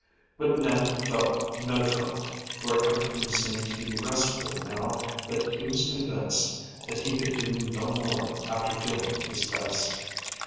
But Ned felt no trouble, for everything seemed to be restful now that he was convinced that he could do no more after doing his best.